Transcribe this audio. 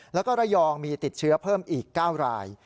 แล้วก็ระยองมีติดเชื้อเพิ่มอีก๙ราย